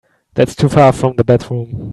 That's too far from the bedroom.